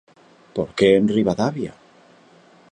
¿Por que en Ribadavia?